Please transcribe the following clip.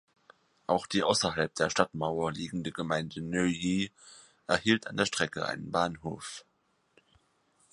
Auch die außerhalb der Stadtmauer liegende Gemeinde Neuilly erhielt an der Strecke einen Bahnhof.